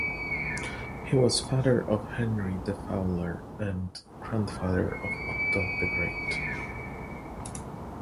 He was father of Henry the Fowler and grandfather of Otto the Great.